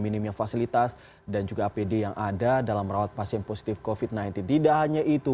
minimnya fasilitas dan juga apd yang ada dalam merawat pasien positif covid sembilan belas tidak hanya itu